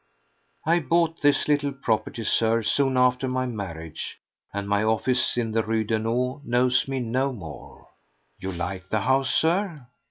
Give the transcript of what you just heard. I bought this little property, Sir, soon after my marriage, and my office in the Rue Daunou knows me no more. You like the house, Sir?